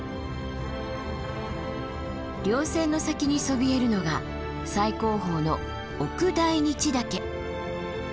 稜線の先にそびえるのが最高峰の奥大日岳。